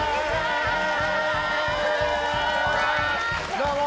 どうも！